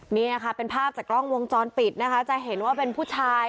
นี่ค่ะเป็นภาพจากกล้องวงจรปิดนะคะจะเห็นว่าเป็นผู้ชาย